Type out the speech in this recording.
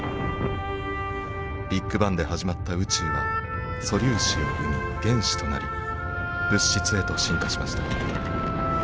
ビッグバンで始まった宇宙は素粒子を生み原子となり物質へと進化しました。